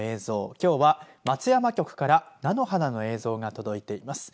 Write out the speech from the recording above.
きょうは松山局から菜の花の映像が届いています。